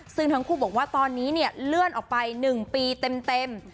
ซึ่งทั้งคู่บอกว่าตอนนี้เนี่ยเลื่อนออกไป๑ปีเต็ม